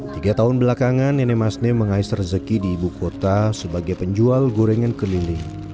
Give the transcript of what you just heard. tiga tahun belakangan nenek masne mengais rezeki di ibu kota sebagai penjual gorengan keliling